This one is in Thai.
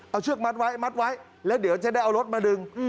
เอาเชือกมัดไว้มัดไว้แล้วเดี๋ยวจะได้เอารถมาดึง